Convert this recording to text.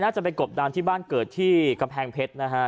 จะไปกบดานที่บ้านเกิดที่กำแพงเพชรนะฮะ